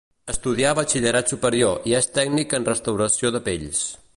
Estudià batxillerat superior i és tècnic en restauració de pells.